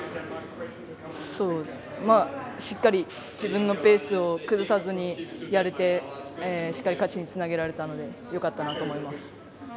しっかり自分のペースを崩せずにやれてしっかり勝ちにつなげられたので良かったと思います。